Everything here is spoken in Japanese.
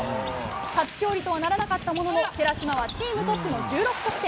初勝利とはならなかったものの寺嶋はチームトップの１６得点。